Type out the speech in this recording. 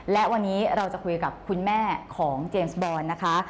และวันนี้เราจะคุยกับคุณแม่ของเจมส์บอลนะคะ